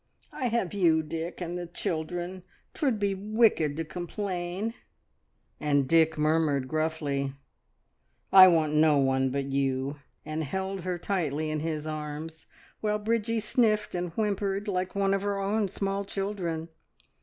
"I have you, Dick, and the children! 'Twould be wicked to complain." And Dick murmured gruffly "I want no one but you," and held her tightly in his arms, while Bridgie sniffed, and whimpered, like one of her own small children.